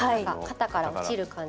肩から落ちる感じ。